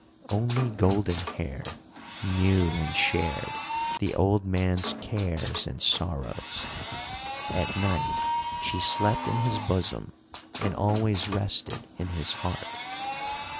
Only Golden Hair, knew and shared the old man's cares and sorrows. At night she slept in his bosom and always rested in his heart.